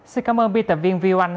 xin cảm ơn biên tập viên viu anh